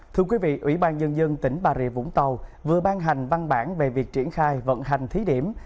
thưa quý vị ủy ban nhân dân tỉnh bà rịa vũng tàu vừa ban hành văn bản về việc triển khai vận hành thí điểm